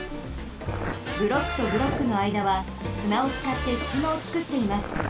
ブロックとブロックのあいだはすなをつかってすきまをつくっています。